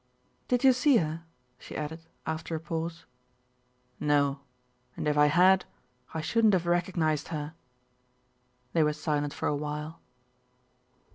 "Did you see her?" she added, after a pause. "No, and if I had I shouldn't have recognized her." They were silent for a while.